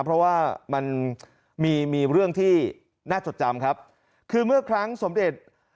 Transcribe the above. เพราะว่ามันมีมีเรื่องที่น่าจดจำครับคือเมื่อครั้งสมเด็จ